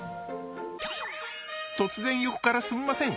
突然横からすんません。